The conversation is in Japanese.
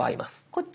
こっち。